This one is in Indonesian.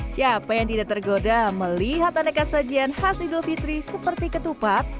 siapa yang tidak tergoda melihat aneka sajian khas idul fitri seperti ketupat